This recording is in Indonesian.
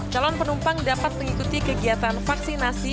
calon penumpang dapat mengikuti kegiatan vaksinasi